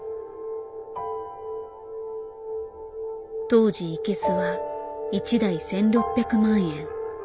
当時イケスは１台１，６００万円。